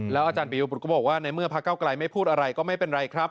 อาจารย์ปียบุตรก็บอกว่าในเมื่อพระเก้าไกลไม่พูดอะไรก็ไม่เป็นไรครับ